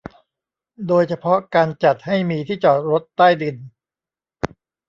โดยเฉพาะการจัดให้มีที่จอดรถใต้ดิน